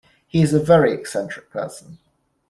He is a very eccentric person.